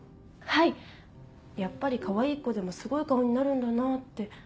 はいやっぱりかわいい子でもすごい顔になるんだなぁって。